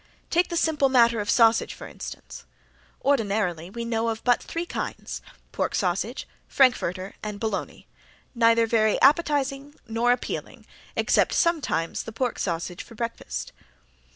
Take the simple matter of sausage, for instance. Ordinarily we know of but three kinds pork sausage, frankfurter and bologna neither very appetizing or appealing, except sometimes the pork sausage for breakfast.